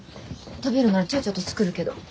食べるならちゃっちゃと作るけど。